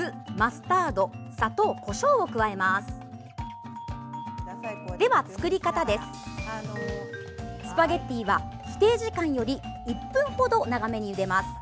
スパゲッティは規定時間より１分程長めにゆでます。